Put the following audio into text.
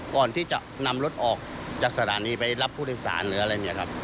ก่อนที่จะนำรถออกจากสถานีไปรับผู้โดยสารหรืออะไรอย่างนี้ครับ